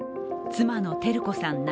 妻の照子さん